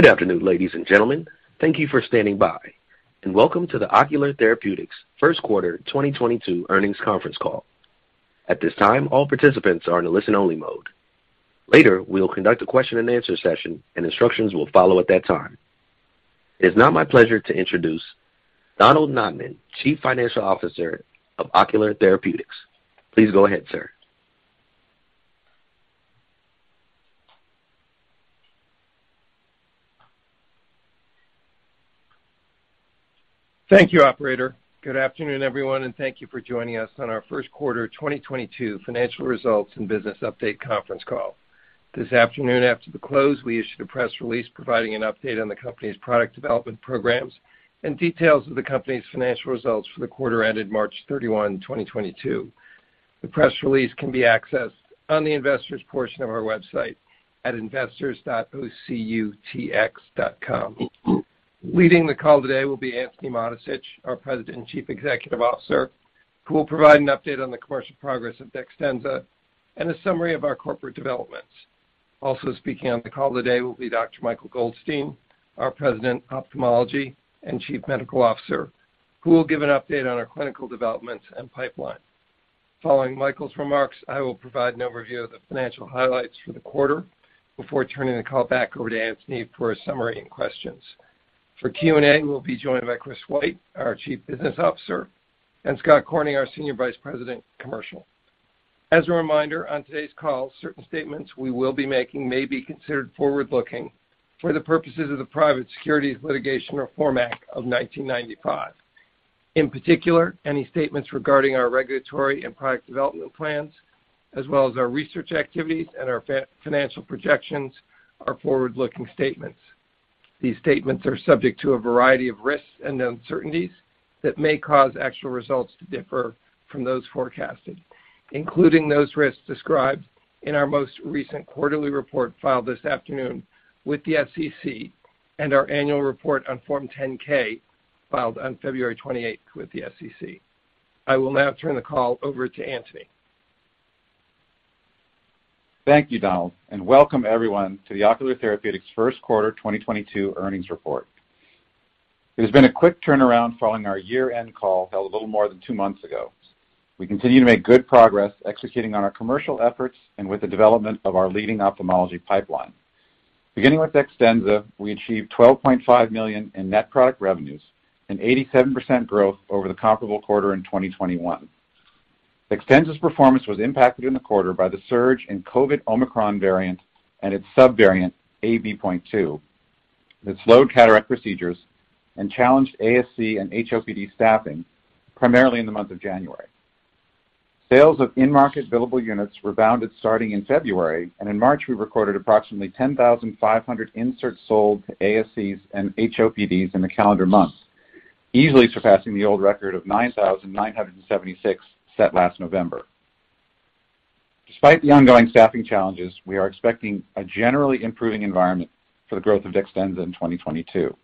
Good afternoon, ladies and gentlemen. Thank you for standing by, and welcome to the Ocular Therapeutix First Quarter 2022 Earnings Conference Call. At this time, all participants are in a listen-only mode. Later, we will conduct a question-and-answer session, and instructions will follow at that time. It is now my pleasure to introduce Donald Notman, Chief Financial Officer of Ocular Therapeutix. Please go ahead, sir. Thank you, operator. Good afternoon, everyone, and thank you for joining us on our first quarter 2022 financial results and business update conference call. This afternoon after the close, we issued a press release providing an update on the company's product development programs and details of the company's financial results for the quarter ended March 31, 2022. The press release can be accessed on the investors portion of our website at investors.ocutx.com. Leading the call today will be Antony Mattessich, our President and Chief Executive Officer, who will provide an update on the commercial progress of DEXTENZA and a summary of our corporate developments. Also speaking on the call today will be Dr. Michael Goldstein, our President, Ophthalmology, and Chief Medical Officer, who will give an update on our clinical developments and pipeline. Following Michael's remarks, I will provide an overview of the financial highlights for the quarter before turning the call back over to Antony for a summary and questions. For Q&A, we'll be joined by Chris White, our Chief Business Officer, and Scott Corning, our Senior Vice President, Commercial. As a reminder, on today's call, certain statements we will be making may be considered forward-looking for the purposes of the Private Securities Litigation Reform Act of 1995. In particular, any statements regarding our regulatory and product development plans as well as our research activities and our financial projections are forward-looking statements. These statements are subject to a variety of risks and uncertainties that may cause actual results to differ from those forecasted, including those risks described in our most recent quarterly report filed this afternoon with the SEC and our annual report on Form 10-K filed on February twenty-eighth with the SEC. I will now turn the call over to Antony. Thank you, Donald, and welcome everyone to the Ocular Therapeutix First Quarter 2022 earnings report. It has been a quick turnaround following our year-end call held a little more than two months ago. We continue to make good progress executing on our commercial efforts and with the development of our leading ophthalmology pipeline. Beginning with DEXTENZA, we achieved $12.5 million in net product revenues and 87% growth over the comparable quarter in 2021. DEXTENZA's performance was impacted in the quarter by the surge in COVID Omicron variant and its sub-variant, BA.2. It slowed cataract procedures and challenged ASC and HOPD staffing primarily in the month of January. Sales of in-market billable units rebounded starting in February, and in March we recorded approximately 10,500 inserts sold to ASCs and HOPDs in the calendar month, easily surpassing the old record of 9,976 set last November. Despite the ongoing staffing challenges, we are expecting a generally improving environment for the growth of DEXTENZA in 2022.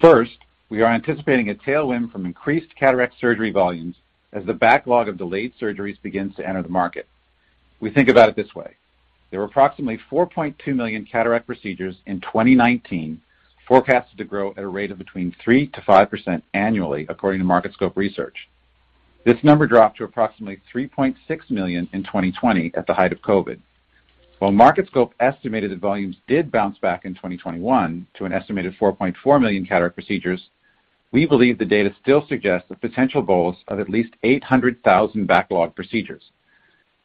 First, we are anticipating a tailwind from increased cataract surgery volumes as the backlog of delayed surgeries begins to enter the market. We think about it this way. There were approximately 4.2 million cataract procedures in 2019 forecasted to grow at a rate of between 3%-5% annually according to Market Scope Research. This number dropped to approximately 3.6 million in 2020 at the height of COVID. While Market Scope estimated that volumes did bounce back in 2021 to an estimated 4.4 million cataract procedures, we believe the data still suggests the potential for at least 800,000 backlog procedures.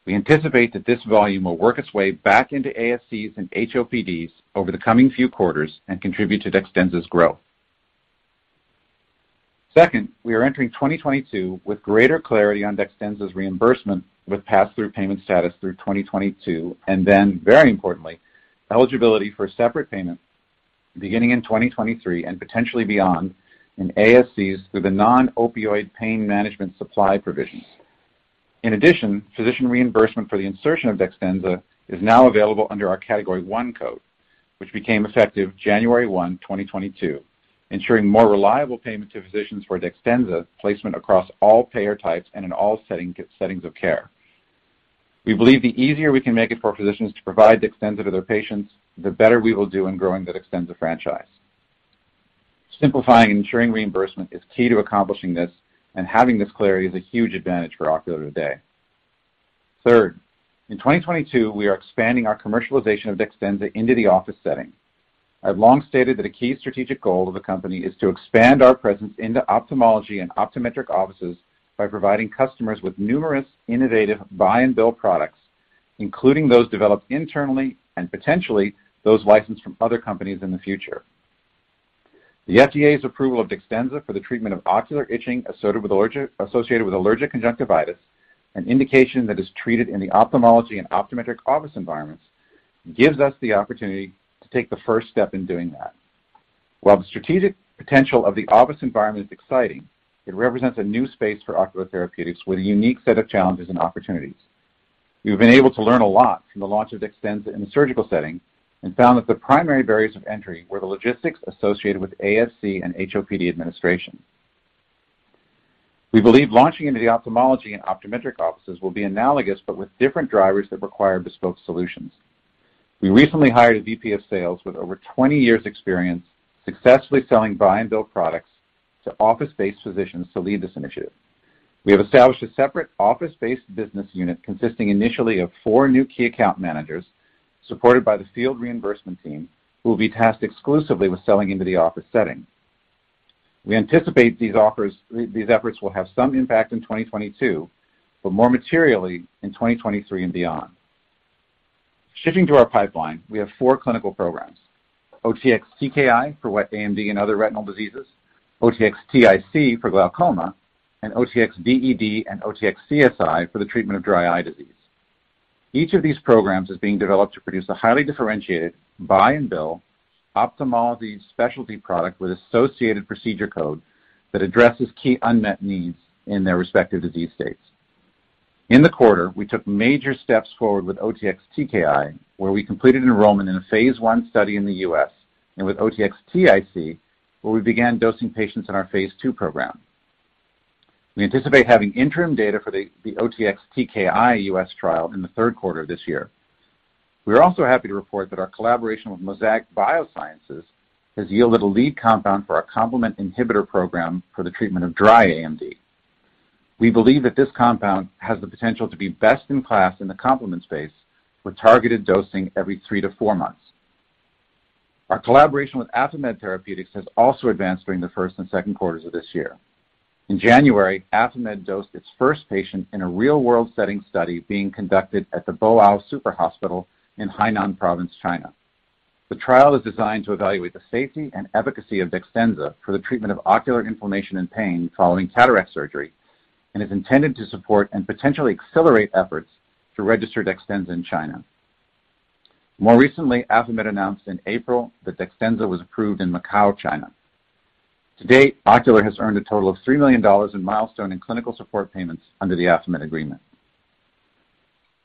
We anticipate that this volume will work its way back into ASCs and HOPDs over the coming few quarters and contribute to DEXTENZA's growth. Second, we are entering 2022 with greater clarity on DEXTENZA's reimbursement with pass-through payment status through 2022, and then very importantly, eligibility for separate payments beginning in 2023 and potentially beyond in ASCs through the non-opioid pain management supply provisions. In addition, physician reimbursement for the insertion of DEXTENZA is now available under our Category I CPT code, which became effective January 1, 2022, ensuring more reliable payment to physicians for DEXTENZA placement across all payer types and in all settings of care. We believe the easier we can make it for physicians to provide DEXTENZA to their patients, the better we will do in growing the DEXTENZA franchise. Simplifying and ensuring reimbursement is key to accomplishing this, and having this clarity is a huge advantage for Ocular today. Third, in 2022 we are expanding our commercialization of DEXTENZA into the office setting. I've long stated that a key strategic goal of the company is to expand our presence into ophthalmology and optometric offices by providing customers with numerous innovative buy and bill products, including those developed internally and potentially those licensed from other companies in the future. The FDA's approval of DEXTENZA for the treatment of ocular itching associated with allergic conjunctivitis, an indication that is treated in the ophthalmology and optometric office environments, gives us the opportunity to take the first step in doing that. While the strategic potential of the office environment is exciting, it represents a new space for Ocular Therapeutix with a unique set of challenges and opportunities. We've been able to learn a lot from the launch of DEXTENZA in the surgical setting and found that the primary barriers of entry were the logistics associated with ASC and HOPD administration. We believe launching into the ophthalmology and optometric offices will be analogous but with different drivers that require bespoke solutions. We recently hired a VP of sales with over 20 years experience successfully selling buy and build products to office-based physicians to lead this initiative. We have established a separate office-based business unit consisting initially of four new key account managers supported by the field reimbursement team who will be tasked exclusively with selling into the office setting. We anticipate these efforts will have some impact in 2022, but more materially in 2023 and beyond. Shifting to our pipeline, we have four clinical programs, OTX-TKI for wet AMD and other retinal diseases, OTX-TIC for glaucoma, and OTX-DED and OTX-CSI for the treatment of dry eye disease. Each of these programs is being developed to produce a highly differentiated, buy and bill ophthalmology specialty product with associated procedure code that addresses key unmet needs in their respective disease states. In the quarter, we took major steps forward with OTX-TKI, where we completed enrollment in a phase I study in the U.S. and with OTX-TIC, where we began dosing patients in our phase II program. We anticipate having interim data for the OTX-TKI U.S. trial in the third quarter of this year. We are also happy to report that our collaboration with Mosaic Biosciences has yielded a lead compound for our complement inhibitor program for the treatment of dry AMD. We believe that this compound has the potential to be best in class in the complement space for targeted dosing every 3-4 months. Our collaboration with AffaMed Therapeutics has also advanced during the first and second quarters of this year. In January, AffaMed dosed its first patient in a real-world setting study being conducted at the Boao Super Hospital in Hainan Province, China. The trial is designed to evaluate the safety and efficacy of DEXTENZA for the treatment of ocular inflammation and pain following cataract surgery, and is intended to support and potentially accelerate efforts to register DEXTENZA in China. More recently, AffaMed announced in April that DEXTENZA was approved in Macau, China. To date, Ocular has earned a total of $3 million in milestone and clinical support payments under the AffaMed agreement.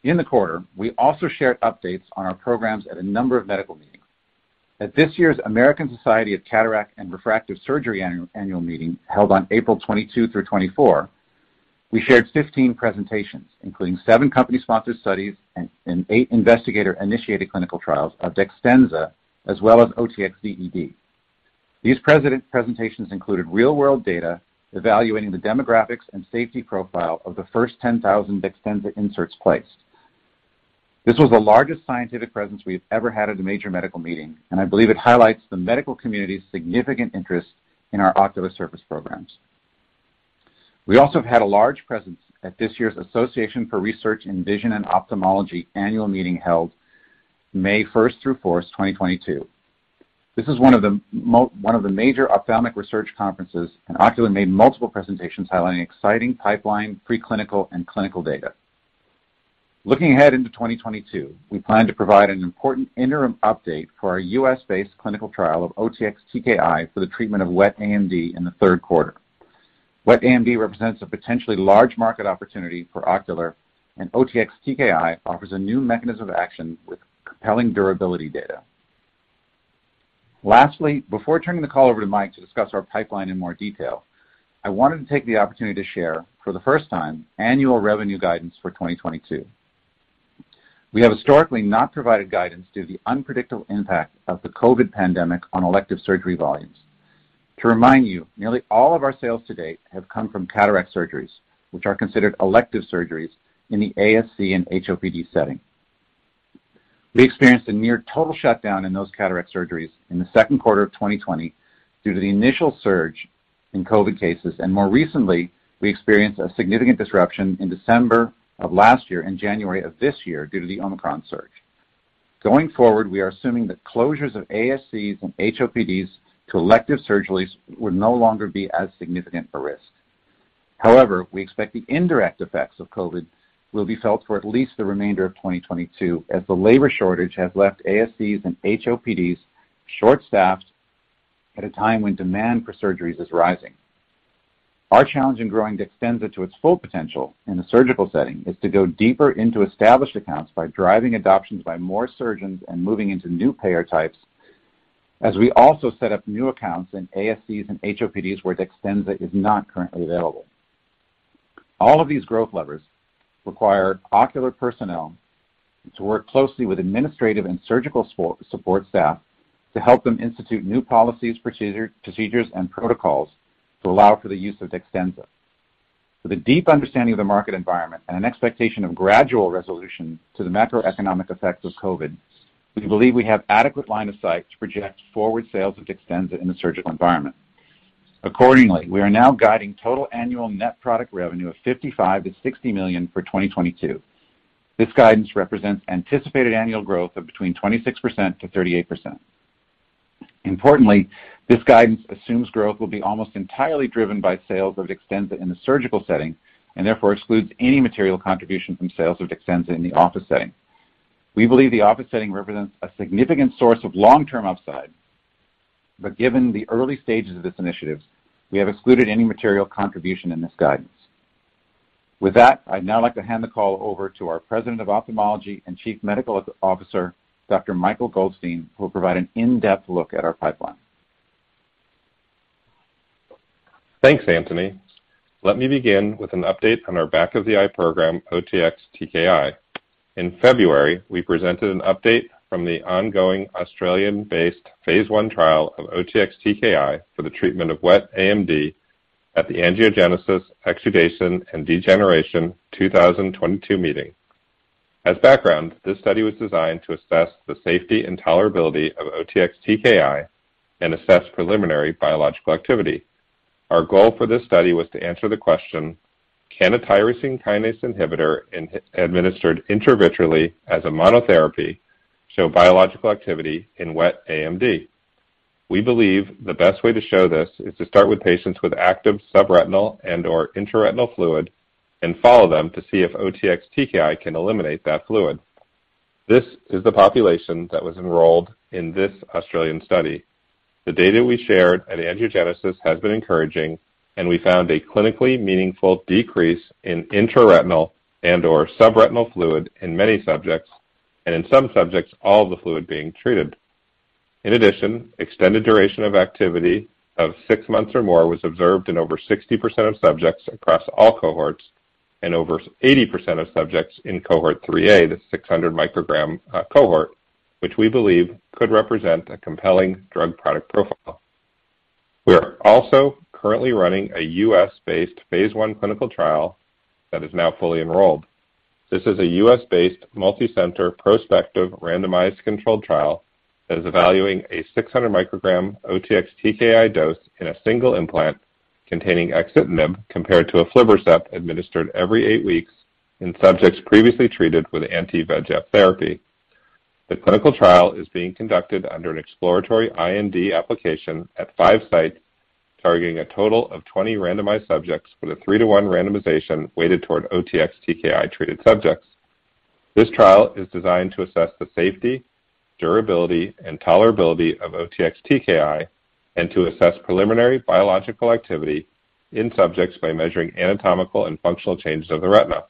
In the quarter, we also shared updates on our programs at a number of medical meetings. At this year's American Society of Cataract and Refractive Surgery annual meeting held on April 22 through 24, we shared 15 presentations, including 7 company-sponsored studies and 8 investigator-initiated clinical trials of DEXTENZA as well as OTX-DED. These presentations included real-world data evaluating the demographics and safety profile of the first 10,000 DEXTENZA inserts placed. This was the largest scientific presence we have ever had at a major medical meeting, and I believe it highlights the medical community's significant interest in our Ocular Surface programs. We also had a large presence at this year's Association for Research in Vision and Ophthalmology annual meeting held May 1 through 4, 2022. This is one of the major ophthalmic research conferences, and Ocular made multiple presentations highlighting exciting pipeline, preclinical, and clinical data. Looking ahead into 2022, we plan to provide an important interim update for our U.S.-based clinical trial of OTX-TKI for the treatment of wet AMD in the third quarter. Wet AMD represents a potentially large market opportunity for Ocular, and OTX-TKI offers a new mechanism of action with compelling durability data. Lastly, before turning the call over to Mike to discuss our pipeline in more detail, I wanted to take the opportunity to share for the first time annual revenue guidance for 2022. We have historically not provided guidance due to the unpredictable impact of the COVID pandemic on elective surgery volumes. To remind you, nearly all of our sales to date have come from cataract surgeries, which are considered elective surgeries in the ASC and HOPD setting. We experienced a near total shutdown in those cataract surgeries in the second quarter of 2020 due to the initial surge in COVID cases, and more recently, we experienced a significant disruption in December of last year and January of this year due to the Omicron surge. Going forward, we are assuming that closures of ASCs and HOPDs to elective surgeries will no longer be as significant a risk. However, we expect the indirect effects of COVID will be felt for at least the remainder of 2022, as the labor shortage has left ASCs and HOPDs short-staffed at a time when demand for surgeries is rising. Our challenge in growing DEXTENZA to its full potential in the surgical setting is to go deeper into established accounts by driving adoptions by more surgeons and moving into new payer types as we also set up new accounts in ASCs and HOPDs where DEXTENZA is not currently available. All of these growth levers require Ocular personnel to work closely with administrative and surgical support staff to help them institute new policies, procedures, and protocols to allow for the use of DEXTENZA. With a deep understanding of the market environment and an expectation of gradual resolution to the macroeconomic effects of COVID, we believe we have adequate line of sight to project forward sales of DEXTENZA in the surgical environment. Accordingly, we are now guiding total annual net product revenue of $55 million-$60 million for 2022. This guidance represents anticipated annual growth of between 26%-38%. Importantly, this guidance assumes growth will be almost entirely driven by sales of DEXTENZA in the surgical setting and therefore excludes any material contribution from sales of DEXTENZA in the office setting. We believe the office setting represents a significant source of long-term upside. Given the early stages of this initiative, we have excluded any material contribution in this guidance. With that, I'd now like to hand the call over to our President of Ophthalmology and Chief Medical Officer, Dr. Michael Goldstein, who will provide an in-depth look at our pipeline. Thanks, Antony. Let me begin with an update on our back of the eye program, OTX-TKI. In February, we presented an update from the ongoing Australian-based phase I trial of OTX-TKI for the treatment of wet AMD at the Angiogenesis, Exudation, and Degeneration 2022 meeting. As background, this study was designed to assess the safety and tolerability of OTX-TKI and assess preliminary biological activity. Our goal for this study was to answer the question: Can a tyrosine kinase inhibitor administered intravitreal as a monotherapy show biological activity in wet AMD? We believe the best way to show this is to start with patients with active subretinal and/or intraretinal fluid and follow them to see if OTX-TKI can eliminate that fluid. This is the population that was enrolled in this Australian study. The data we shared at Angiogenesis has been encouraging, and we found a clinically meaningful decrease in intraretinal and/or subretinal fluid in many subjects, and in some subjects, all the fluid being treated. In addition, extended duration of activity of 6 months or more was observed in over 60% of subjects across all cohorts and over 80% of subjects in cohort 3A, the 600-microgram cohort. Which we believe could represent a compelling drug product profile. We are also currently running a U.S.-based phase I clinical trial that is now fully enrolled. This is a U.S.-based, multicenter, prospective, randomized controlled trial that is evaluating a 600-microgram OTX-TKI dose in a single implant containing axitinib compared to aflibercept administered every 8 weeks in subjects previously treated with anti-VEGF therapy. The clinical trial is being conducted under an exploratory IND application at five sites, targeting a total of 20 randomized subjects with a 3-to-1 randomization weighted toward OTX-TKI-treated subjects. This trial is designed to assess the safety, durability, and tolerability of OTX-TKI and to assess preliminary biological activity in subjects by measuring anatomical and functional changes of the retina.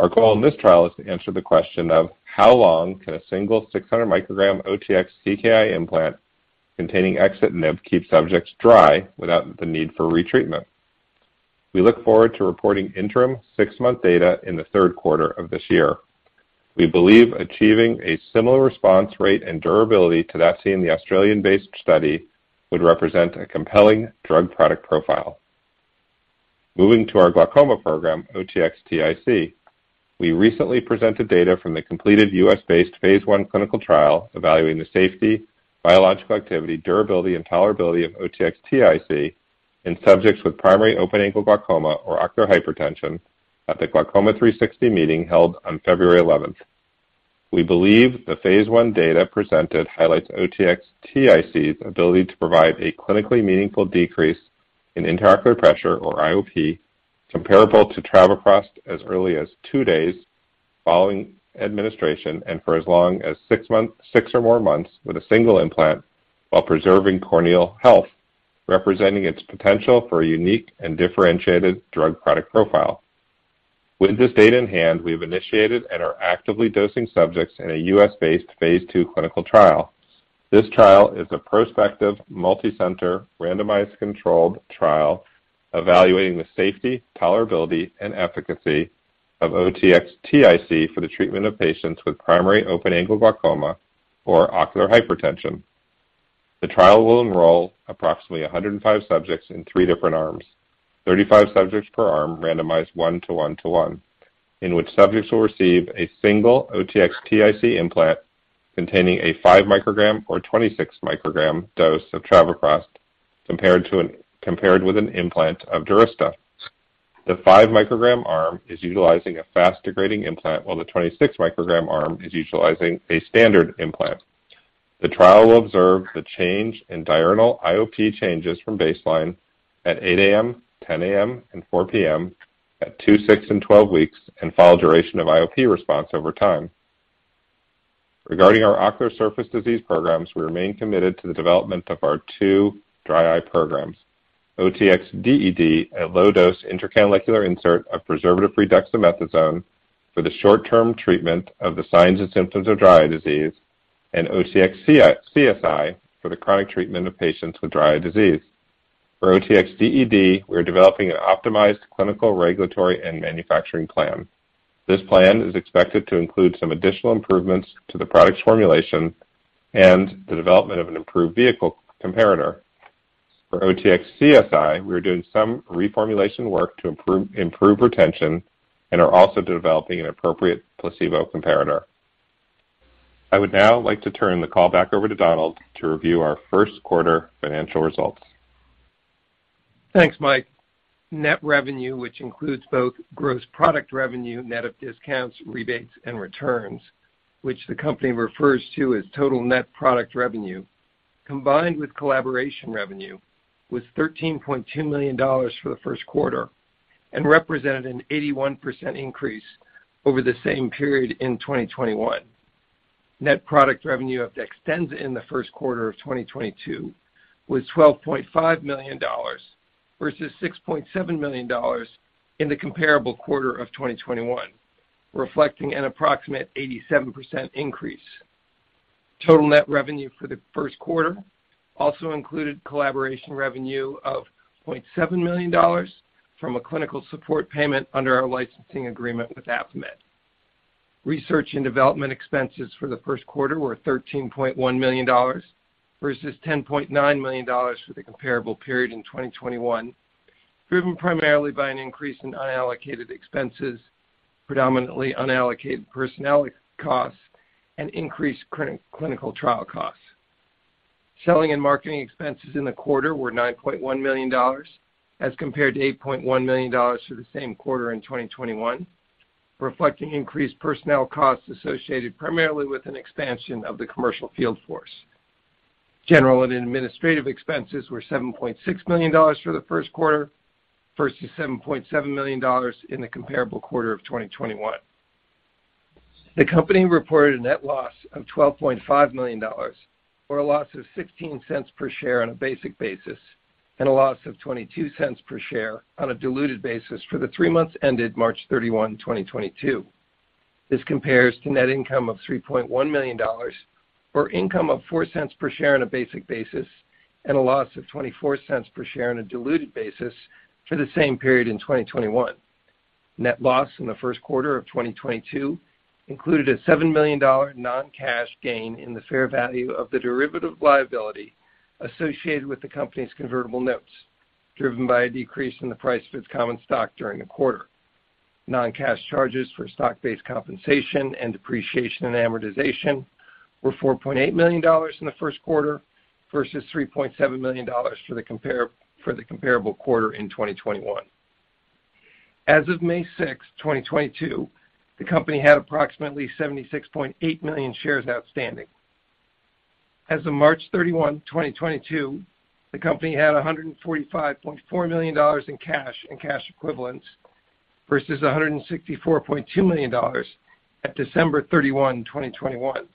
Our goal in this trial is to answer the question of how long can a single 600 microgram OTX-TKI implant containing axitinib keep subjects dry without the need for retreatment. We look forward to reporting interim 6-month data in the third quarter of this year. We believe achieving a similar response rate and durability to that seen in the Australian-based study would represent a compelling drug product profile. Moving to our glaucoma program, OTX-TIC. We recently presented data from the completed U.S.-based phase I clinical trial evaluating the safety, biological activity, durability, and tolerability of OTX-TIC in subjects with primary open-angle glaucoma or ocular hypertension at the Glaucoma 360 meeting held on February eleventh. We believe the phase I data presented highlights OTX-TIC's ability to provide a clinically meaningful decrease in intraocular pressure or IOP comparable to travoprost as early as 2 days following administration and for as long as 6 or more months with a single implant while preserving corneal health, representing its potential for a unique and differentiated drug product profile. With this data in hand, we've initiated and are actively dosing subjects in a U.S.-based phase II clinical trial. This trial is a prospective, multicenter, randomized controlled trial evaluating the safety, tolerability, and efficacy of OTX-TIC for the treatment of patients with primary open-angle glaucoma or ocular hypertension. The trial will enroll approximately 105 subjects in three different arms. 35 subjects per arm randomized 1 to 1 to 1, in which subjects will receive a single OTX-TIC implant containing a 5 microgram or 26 microgram dose of travoprost compared with an implant of DURYSTA. The 5 microgram arm is utilizing a fast-degrading implant, while the 26 microgram arm is utilizing a standard implant. The trial will observe the change in diurnal IOP changes from baseline at 8 A.M., 10 A.M., and 4 P.M. at 2, 6, and 12 weeks, and follow duration of IOP response over time. Regarding our ocular surface disease programs, we remain committed to the development of our two dry eye programs. OTX-DED, a low dose intracanalicular insert of preservative-free dexamethasone for the short-term treatment of the signs and symptoms of dry eye disease and OTX-CSI for the chronic treatment of patients with dry eye disease. For OTX-DED, we're developing an optimized clinical, regulatory, and manufacturing plan. This plan is expected to include some additional improvements to the product's formulation and the development of an improved vehicle comparator. For OTX-CSI, we are doing some reformulation work to improve retention and are also developing an appropriate placebo comparator. I would now like to turn the call back over to Donald to review our first quarter financial results. Thanks, Mike. Net revenue, which includes both gross product revenue, net of discounts, rebates, and returns, which the company refers to as total net product revenue, combined with collaboration revenue, was $13.2 million for the first quarter and represented an 81% increase over the same period in 2021. Net product revenue of DEXTENZA in the first quarter of 2022 was $12.5 million versus $6.7 million in the comparable quarter of 2021, reflecting an approximate 87% increase. Total net revenue for the first quarter also included collaboration revenue of $0.7 million from a clinical support payment under our licensing agreement with AffaMed. Research and development expenses for the first quarter were $13.1 million versus $10.9 million for the comparable period in 2021, driven primarily by an increase in unallocated expenses, predominantly unallocated personnel costs, and increased clinical trial costs. Selling and marketing expenses in the quarter were $9.1 million as compared to $8.1 million for the same quarter in 2021, reflecting increased personnel costs associated primarily with an expansion of the commercial field force. General and administrative expenses were $7.6 million for the first quarter versus $7.7 million in the comparable quarter of 2021. The company reported a net loss of $12.5 million or a loss of $0.16 per share on a basic basis, and a loss of $0.22 per share on a diluted basis for the three months ended March 31, 2022. This compares to net income of $3.1 million or income of $0.04 per share on a basic basis, and a loss of $0.24 per share on a diluted basis for the same period in 2021. Net loss in the first quarter of 2022 included a $7 million non-cash gain in the fair value of the derivative liability associated with the company's convertible notes, driven by a decrease in the price of its common stock during the quarter. Non-cash charges for stock-based compensation and depreciation and amortization were $4.8 million in the first quarter versus $3.7 million for the comparable quarter in 2021. As of May 6, 2022, the company had approximately 76.8 million shares outstanding. As of March 31, 2022, the company had $145.4 million in cash and cash equivalents versus $164.2 million at December 31, 2021.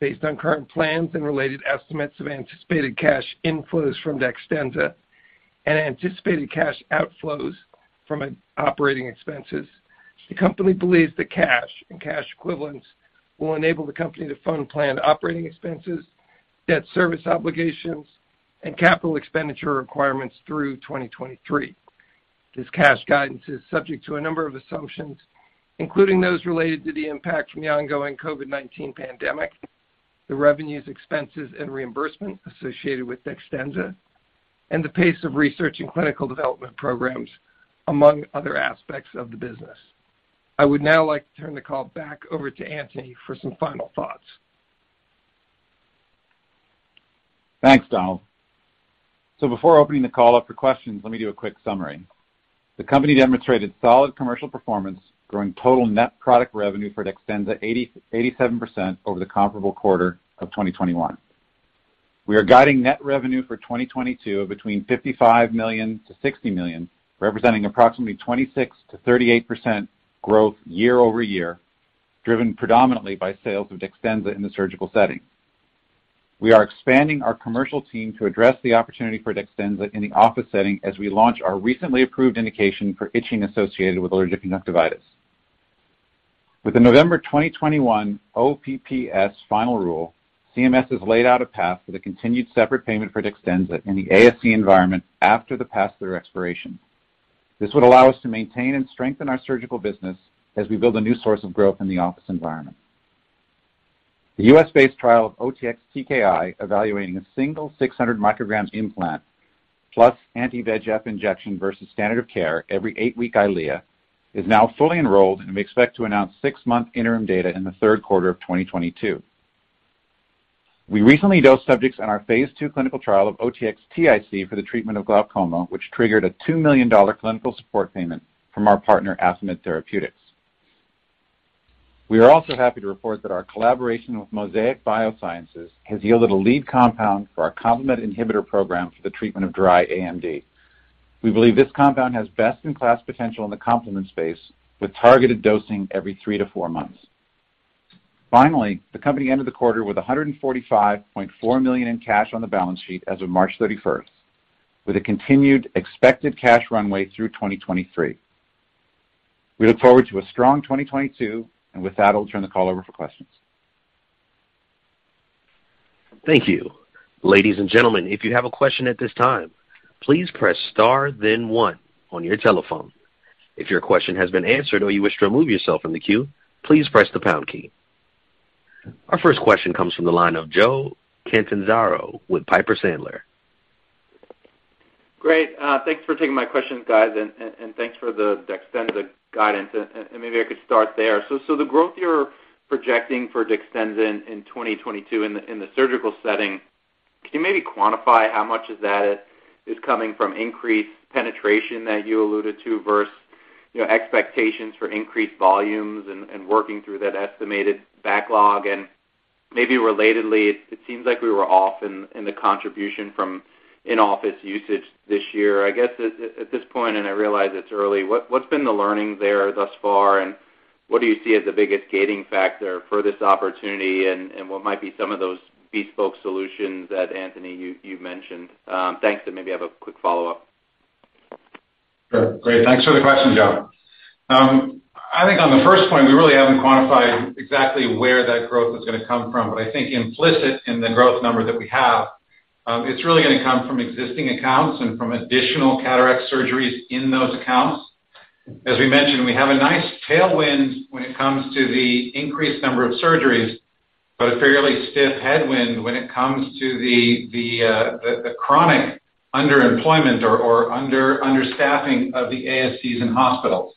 Based on current plans and related estimates of anticipated cash inflows from DEXTENZA and anticipated cash outflows from operating expenses, the company believes that cash and cash equivalents will enable the company to fund planned operating expenses, debt service obligations and capital expenditure requirements through 2023. This cash guidance is subject to a number of assumptions, including those related to the impact from the ongoing COVID-19 pandemic, the revenues, expenses and reimbursement associated with DEXTENZA, and the pace of research and clinical development programs, among other aspects of the business. I would now like to turn the call back over to Antony for some final thoughts. Thanks, Donald. Before opening the call up for questions, let me do a quick summary. The company demonstrated solid commercial performance, growing total net product revenue for DEXTENZA 87% over the comparable quarter of 2021. We are guiding net revenue for 2022 of between $55 million-$60 million, representing approximately 26%-38% growth year-over-year, driven predominantly by sales of DEXTENZA in the surgical setting. We are expanding our commercial team to address the opportunity for DEXTENZA in the office setting as we launch our recently approved indication for itching associated with allergic conjunctivitis. With the November 2021 OPPS final rule, CMS has laid out a path for the continued separate payment for DEXTENZA in the ASC environment after the pass-through expiration. This would allow us to maintain and strengthen our surgical business as we build a new source of growth in the office environment. The US-based trial of OTX-TKI, evaluating a single 600-microgram implant plus anti-VEGF injection versus standard-of-care every 8-week EYLEA, is now fully enrolled, and we expect to announce 6-month interim data in the third quarter of 2022. We recently dosed subjects on our phase II clinical trial of OTX-TIC for the treatment of glaucoma, which triggered a $2 million clinical support payment from our partner AffaMed Therapeutics. We are also happy to report that our collaboration with Mosaic Biosciences has yielded a lead compound for our complement inhibitor program for the treatment of dry AMD. We believe this compound has best-in-class potential in the complement space with targeted dosing every 3 to 4 months. Finally, the company ended the quarter with $145.4 million in cash on the balance sheet as of March 31st, with a continued expected cash runway through 2023. We look forward to a strong 2022, and with that, I'll turn the call over for questions. Thank you. Ladies and gentlemen, if you have a question at this time, please press star then one on your telephone. If your question has been answered or you wish to remove yourself from the queue, please press the pound key. Our first question comes from the line of Joe Catanzaro with Piper Sandler. Great. Thanks for taking my questions, guys, and thanks for the DEXTENZA guidance. Maybe I could start there. So the growth you're projecting for DEXTENZA in 2022 in the surgical setting, can you maybe quantify how much of that is coming from increased penetration that you alluded to versus, you know, expectations for increased volumes and working through that estimated backlog. Maybe relatedly, it seems like we were off in the contribution from in-office usage this year. I guess at this point, and I realize it's early, what's been the learning there thus far? What do you see as the biggest gating factor for this opportunity? What might be some of those bespoke solutions that Antony, you mentioned? Thanks. Maybe I have a quick follow-up. Sure. Great. Thanks for the question, Joe. I think on the first point, we really haven't quantified exactly where that growth is gonna come from. I think implicit in the growth number that we have, it's really gonna come from existing accounts and from additional cataract surgeries in those accounts. As we mentioned, we have a nice tailwind when it comes to the increased number of surgeries, but a fairly stiff headwind when it comes to the chronic underemployment or understaffing of the ASCs in hospitals.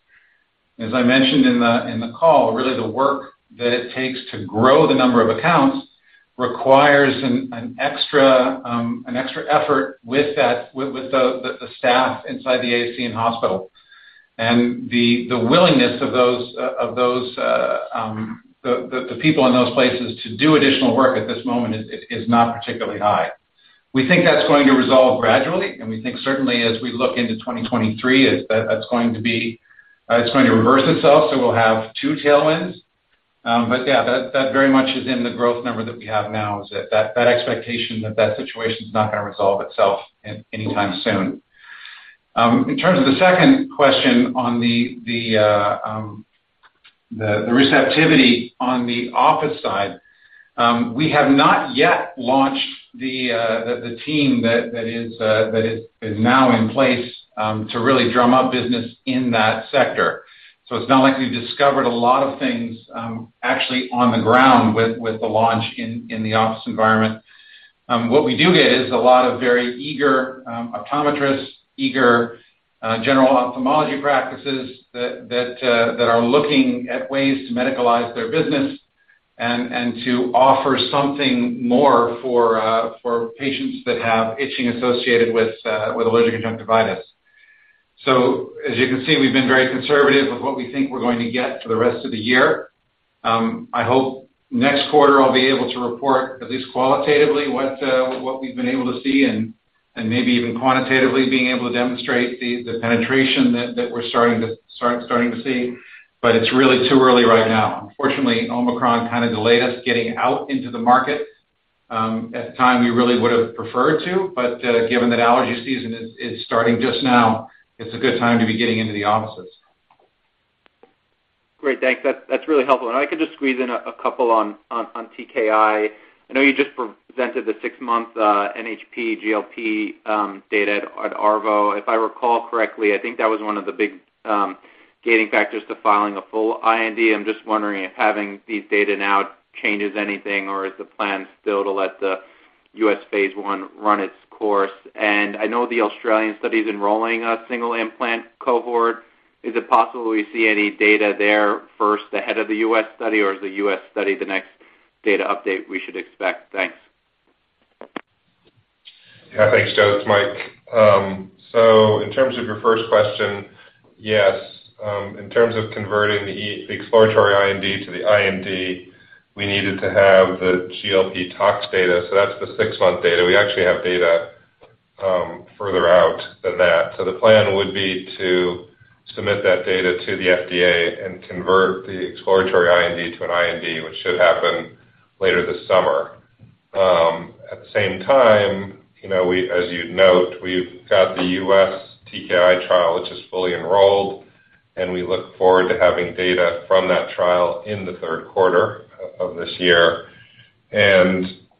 As I mentioned in the call, really the work that it takes to grow the number of accounts requires an extra effort with the staff inside the ASC and hospital. The willingness of those people in those places to do additional work at this moment is not particularly high. We think that's going to resolve gradually, and we think certainly as we look into 2023 that's going to be. It's going to reverse itself, so we'll have two tailwinds. But yeah, that very much is in the growth number that we have now is that expectation that situation's not gonna resolve itself in anytime soon. In terms of the second question on the receptivity on the office side, we have not yet launched the team that is now in place to really drum up business in that sector. It's not like we've discovered a lot of things, actually on the ground with the launch in the office environment. What we do get is a lot of very eager optometrists, eager general ophthalmology practices that are looking at ways to medicalize their business and to offer something more for patients that have itching associated with allergic conjunctivitis. As you can see, we've been very conservative with what we think we're going to get for the rest of the year. I hope next quarter I'll be able to report at least qualitatively what we've been able to see and maybe even quantitatively being able to demonstrate the penetration that we're starting to see. But it's really too early right now. Unfortunately, Omicron kind of delayed us getting out into the market at the time we really would've preferred to, but given that allergy season is starting just now, it's a good time to be getting into the offices. Great. Thanks. That's really helpful. I could just squeeze in a couple on TKI. I know you just presented the six-month NHP GLP data at ARVO. If I recall correctly, I think that was one of the big gating factors to filing a full IND. I'm just wondering if having these data now changes anything or is the plan still to let the U.S. phase I run its course? I know the Australian study's enrolling a single implant cohort. Is it possible we see any data there first ahead of the US study, or is the U.S. study the next data update we should expect? Thanks. Yeah. Thanks, Joe. It's Mike. In terms of your first question, yes, in terms of converting the exploratory IND to the IND, we needed to have the GLP tox data. That's the six-month data. We actually have data further out than that. The plan would be to submit that data to the FDA and convert the exploratory IND to an IND, which should happen later this summer. At the same time, you know, as you'd note, we've got the US TKI trial, which is fully enrolled, and we look forward to having data from that trial in the third quarter of this year.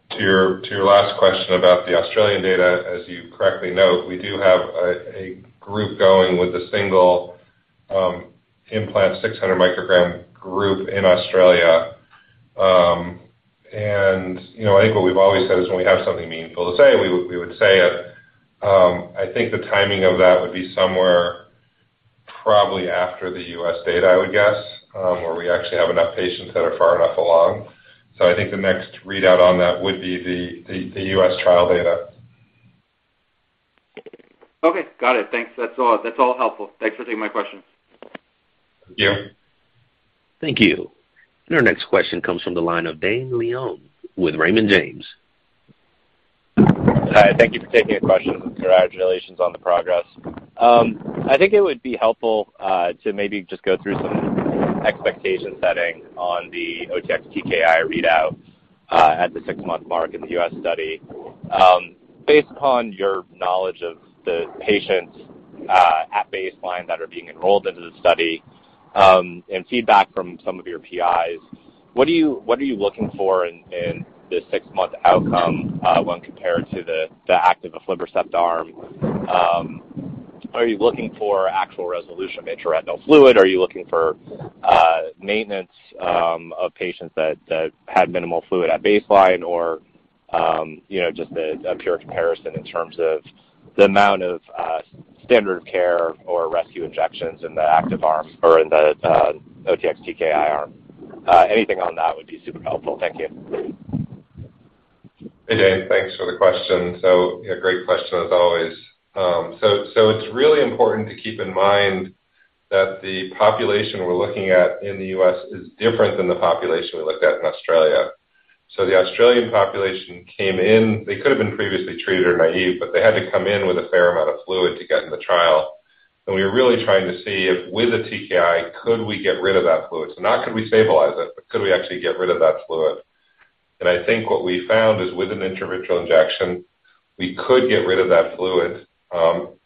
To your last question about the Australian data, as you correctly note, we do have a group going with a single implant 600 microgram group in Australia. You know, I think what we've always said is when we have something meaningful to say, we would say it. I think the timing of that would be somewhere probably after the U.S. data, I would guess, where we actually have enough patients that are far enough along. I think the next readout on that would be the U.S. trial data. Okay. Got it. Thanks. That's all. That's all helpful. Thanks for taking my questions. Thank you. Thank you. Our next question comes from the line of Dane Leone with Raymond James. Hi, thank you for taking a question. Congratulations on the progress. I think it would be helpful to maybe just go through some expectation setting on the OTX-TKI readout at the six-month mark in the U.S. study. Based upon your knowledge of the patients at baseline that are being enrolled into the study and feedback from some of your PIs, what are you looking for in the six-month outcome when compared to the active aflibercept arm? Are you looking for actual resolution of intraretinal fluid? Are you looking for maintenance of patients that had minimal fluid at baseline or you know just a pure comparison in terms of the amount of standard care or rescue injections in the active arm or in the OTX-TKI arm? Anything on that would be super helpful. Thank you. Hey Dan, thanks for the question. A great question as always. It's really important to keep in mind that the population we're looking at in the US is different than the population we looked at in Australia. The Australian population came in. They could have been previously treated or naive, but they had to come in with a fair amount of fluid to get in the trial. We were really trying to see if with a TKI, could we get rid of that fluid? Not could we stabilize it, but could we actually get rid of that fluid? I think what we found is with an intravitreal injection, we could get rid of that fluid.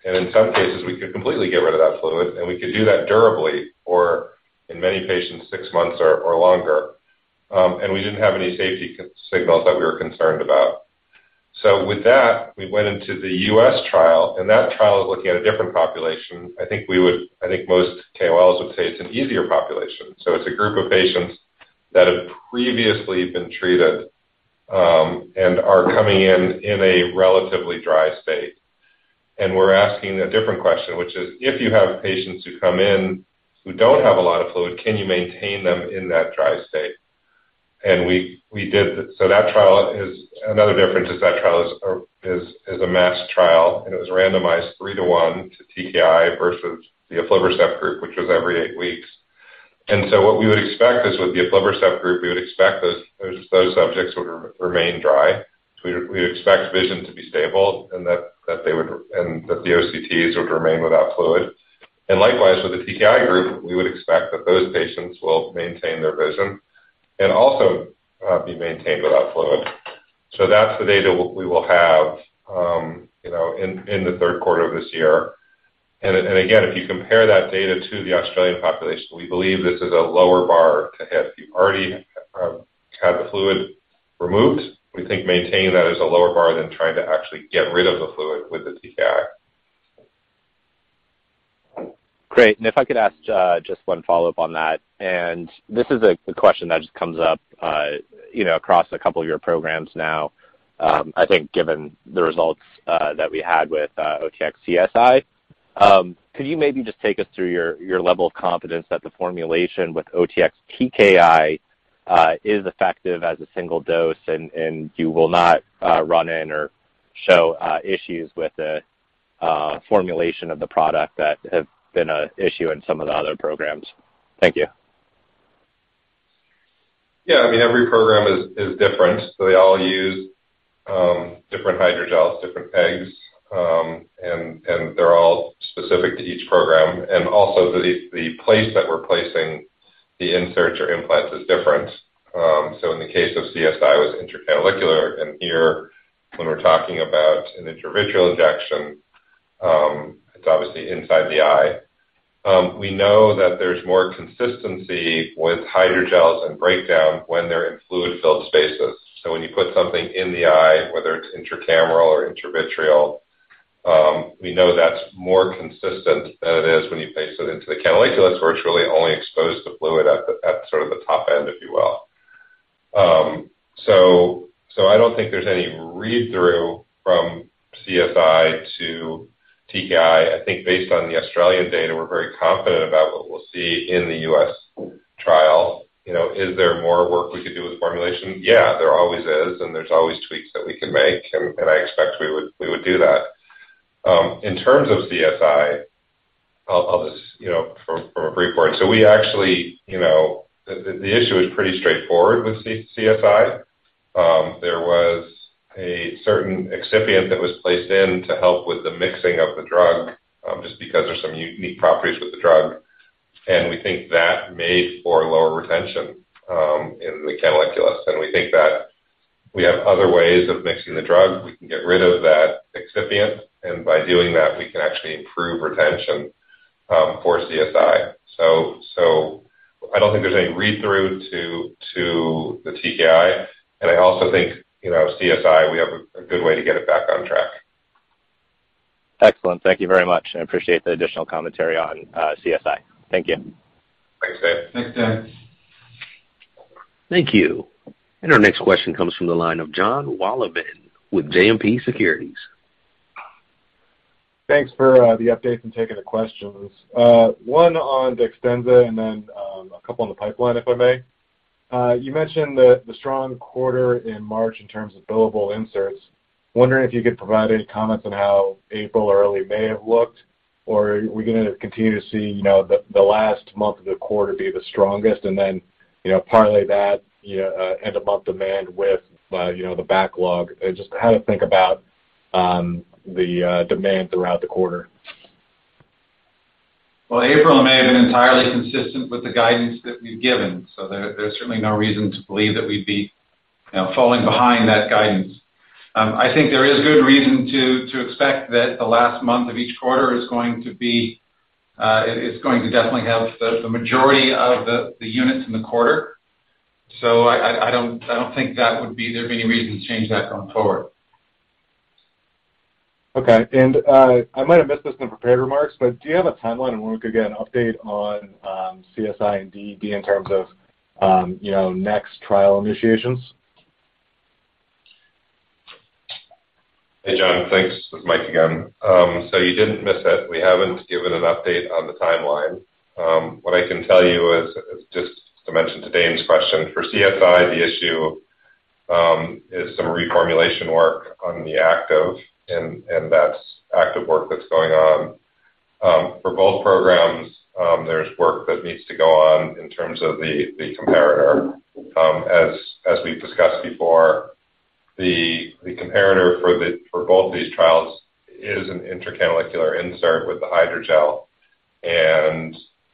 In some cases, we could completely get rid of that fluid, and we could do that durably or in many patients, six months or longer. We didn't have any safety signals that we were concerned about. With that, we went into the U.S. trial, and that trial is looking at a different population. I think most KOLs would say it's an easier population. It's a group of patients that have previously been treated, and are coming in in a relatively dry state. We're asking a different question, which is, if you have patients who come in who don't have a lot of fluid, can you maintain them in that dry state? We did. That trial is. Another difference is that the trial is a masked trial, and it was randomized 3-to-1 to TKI versus the aflibercept group, which was every 8 weeks. What we would expect is with the aflibercept group, we would expect those subjects would remain dry. We expect vision to be stable and that the OCTs would remain without fluid. Likewise, with the TKI group, we would expect that those patients will maintain their vision and also be maintained without fluid. That's the data we will have, you know, in the third quarter of this year. Again, if you compare that data to the Australian population, we believe this is a lower bar to hit. You've already had the fluid removed. We think maintaining that is a lower bar than trying to actually get rid of the fluid with the TKI. Great. If I could ask just one follow-up on that. This is a question that just comes up, you know, across a couple of your programs now. I think given the results that we had with OTX-CSI. Could you maybe just take us through your level of confidence that the formulation with OTX-TKI is effective as a single dose and you will not run into or show issues with the formulation of the product that have been an issue in some of the other programs? Thank you. Yeah. I mean, every program is different. They all use different hydrogels, different PEGs, and they're all specific to each program. The place that we're placing the inserts or implants is different. In the case of CSI, it was intracanalicular. Here, when we're talking about an intravitreal injection, it's obviously inside the eye. We know that there's more consistency with hydrogels and breakdown when they're in fluid-filled spaces. When you put something in the eye, whether it's intracameral or intravitreal, we know that's more consistent than it is when you place it into the canaliculus, where it's really only exposed to fluid at the sort of the top end, if you will. I don't think there's any read-through from CSI to TKI. I think based on the Australian data, we're very confident about what we'll see in the US trial. You know, is there more work we could do with formulation? Yeah, there always is, and there's always tweaks that we can make, and I expect we would do that. In terms of OTX-CSI, I'll just, you know, from a brief point. We actually, you know, the issue is pretty straightforward with OTX-CSI. There was a certain excipient that was placed in to help with the mixing of the drug, just because there's some unique properties with the drug. We think that made for lower retention in the canaliculus. We think that we have other ways of mixing the drug. We can get rid of that excipient, and by doing that, we can actually improve retention for CSI. I don't think there's any read-through to the TKI. I also think, you know, CSI, we have a good way to get it back on track. Excellent. Thank you very much. I appreciate the additional commentary on CSI. Thank you. Thanks, Dan. Thanks, Dan. Thank you. Our next question comes from the line of Jon Wolleben with JMP Securities. Thanks for the updates and taking the questions. One on DEXTENZA and then a couple on the pipeline, if I may. You mentioned the strong quarter in March in terms of billable inserts. Wondering if you could provide any comments on how April or early May have looked, or are we gonna continue to see, you know, the last month of the quarter be the strongest and then, you know, parlay that, you know, end of month demand with, you know, the backlog? Just how to think about the demand throughout the quarter. Well, April and May have been entirely consistent with the guidance that we've given, so there's certainly no reason to believe that we'd be, you know, falling behind that guidance. I think there is good reason to expect that the last month of each quarter is going to definitely have the majority of the units in the quarter. I don't think there'd be any reason to change that going forward. Okay. I might have missed this in the prepared remarks, but do you have a timeline on when we could get an update on CSI and DED in terms of you know next trial initiations? Hey, Jon. Thanks. It's Mike again. So you didn't miss it. We haven't given an update on the timeline. What I can tell you is, just to mention today's question, for CSI, the issue is some reformulation work on the active and that's active work that's going on. For both programs, there's work that needs to go on in terms of the comparator. As we've discussed before, the comparator for both of these trials is an intracanalicular insert with the hydrogel.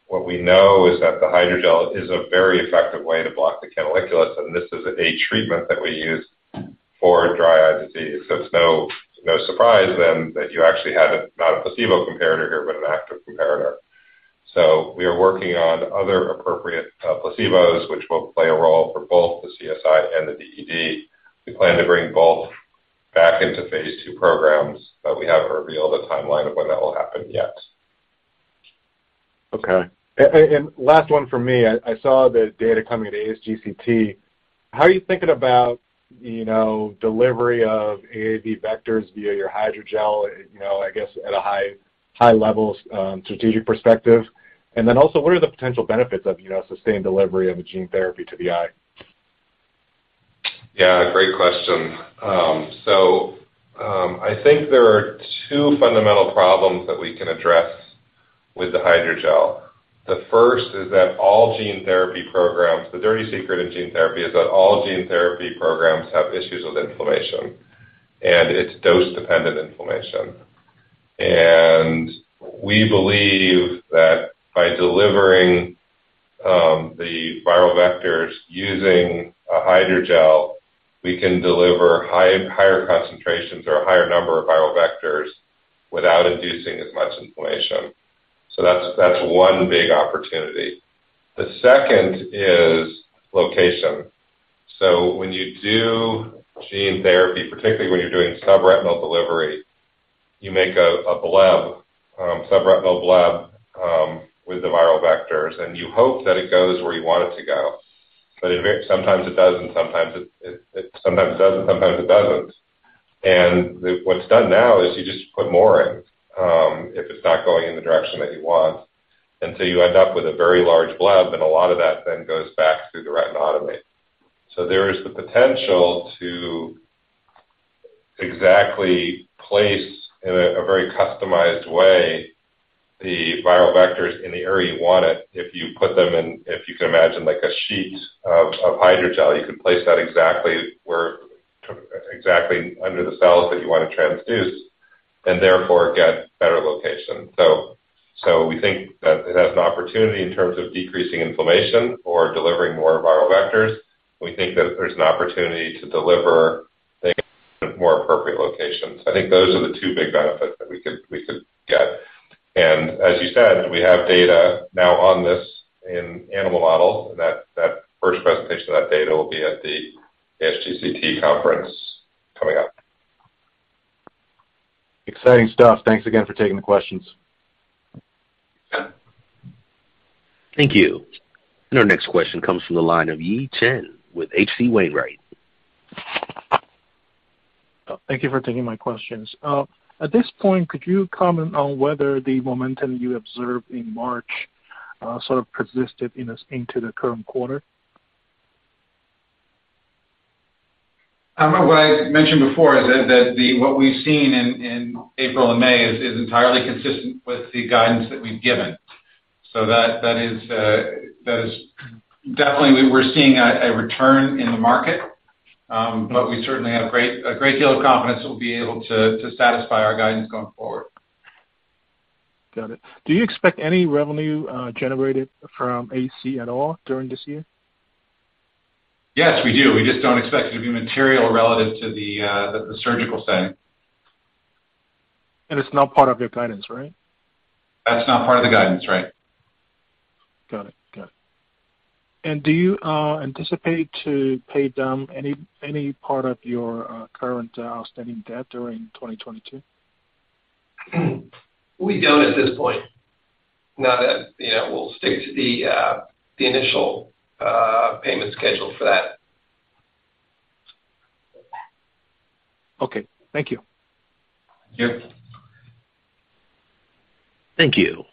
What we know is that the hydrogel is a very effective way to block the canaliculus, and this is a treatment that we use for dry eye disease. It's no surprise then that you actually have a not a placebo comparator here, but an active comparator. We are working on other appropriate placebos, which will play a role for both the CSI and the DED. We plan to bring both back into phase II programs, but we haven't revealed a timeline of when that will happen yet. Last one from me. I saw the data coming at ASGCT. How are you thinking about, you know, delivery of AAV vectors via your hydrogel, you know, I guess at a high levels, strategic perspective? What are the potential benefits of, you know, sustained delivery of a gene therapy to the eye? Yeah, great question. I think there are two fundamental problems that we can address with the hydrogel. The first is that all gene therapy programs, the dirty secret in gene therapy is that all gene therapy programs have issues with inflammation, and it's dose-dependent inflammation. We believe that by delivering the viral vectors using a hydrogel, we can deliver higher concentrations or a higher number of viral vectors without inducing as much inflammation. That's one big opportunity. The second is location. When you do gene therapy, particularly when you're doing subretinal delivery, you make a bleb, subretinal bleb with the viral vectors, and you hope that it goes where you want it to go. It sometimes does and sometimes it doesn't. What's done now is you just put more in, if it's not going in the direction that you want, until you end up with a very large bleb, and a lot of that then goes back through the retinal artery. There is the potential to exactly place, in a very customized way, the viral vectors in the area you want it, if you put them in. If you can imagine like a sheet of hydrogel, you could place that exactly under the cells that you wanna transduce, and therefore get better location. We think that it has an opportunity in terms of decreasing inflammation or delivering more viral vectors. We think that there's an opportunity to deliver things in more appropriate locations. I think those are the two big benefits that we could get. As you said, we have data now on this in animal models, and that first presentation of that data will be at the ASGCT conference coming up. Exciting stuff. Thanks again for taking the questions. Yeah. Thank you. Our next question comes from the line of Yi Chen with H.C. Wainwright. Thank you for taking my questions. At this point, could you comment on whether the momentum you observed in March, sort of persisted into the current quarter? I don't know. What I mentioned before is that what we've seen in April and May is entirely consistent with the guidance that we've given. That is definitely we were seeing a return in the market. But we certainly have a great deal of confidence that we'll be able to satisfy our guidance going forward. Got it. Do you expect any revenue, generated from ACj at all during this year? Yes, we do. We just don't expect it to be material relative to the surgical setting. It's not part of your guidance, right? That's not part of the guidance, right? Got it. Do you anticipate to pay down any part of your current outstanding debt during 2022? We don't at this point. Not at, you know, we'll stick to the initial payment schedule for that. Okay. Thank you. Yep. Thank you.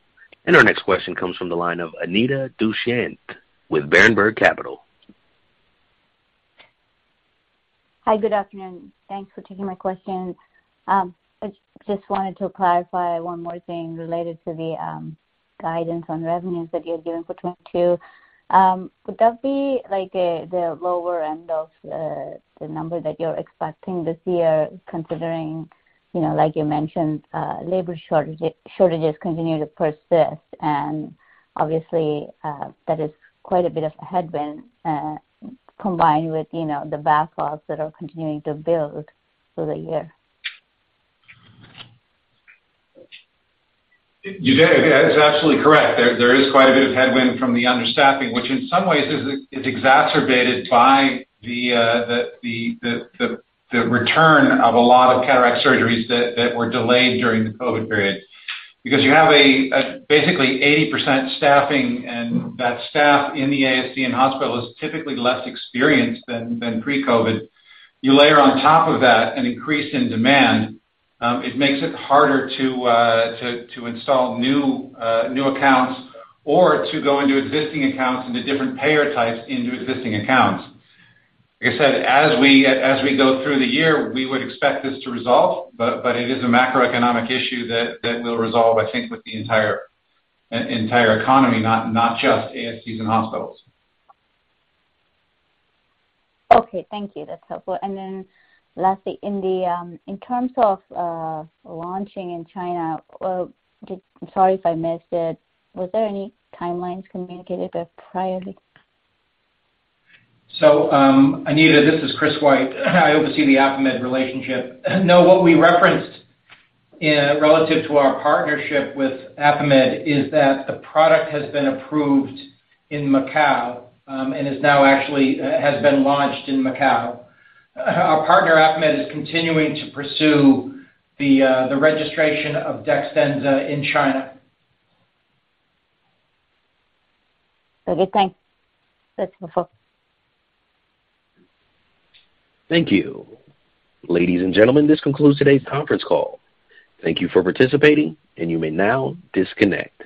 Our next question comes from the line of Anita Dushyanth with Berenberg Capital. Hi, good afternoon. Thanks for taking my question. I just wanted to clarify one more thing related to the guidance on revenues that you're giving for 2022. Would that be like the lower end of the number that you're expecting this year, considering, you know, like you mentioned, labor shortages continue to persist, and obviously that is quite a bit of a headwind, combined with, you know, the backlogs that are continuing to build through the year? You did. That's absolutely correct. There is quite a bit of headwind from the understaffing, which in some ways is exacerbated by the return of a lot of cataract surgeries that were delayed during the COVID period. Because you have basically 80% staffing, and that staff in the ASC and hospital is typically less experienced than pre-COVID. You layer on top of that an increase in demand. It makes it harder to install new accounts or to go into existing accounts into different payer types into existing accounts. Like I said, as we go through the year, we would expect this to resolve, but it is a macroeconomic issue that will resolve, I think, with the entire economy, not just ASCs and hospitals. Okay, thank you. That's helpful. Lastly, in terms of launching in China, sorry if I missed it. Was there any timelines communicated there previously? Anita, this is Chris White. I oversee the AffaMed relationship. No. What we referenced relative to our partnership with AffaMed is that the product has been approved in Macau, and is now actually has been launched in Macau. Our partner, AffaMed, is continuing to pursue the registration of DEXTENZA in China. Okay, thanks. That's helpful. Thank you. Ladies and gentlemen, this concludes today's conference call. Thank you for participating, and you may now disconnect.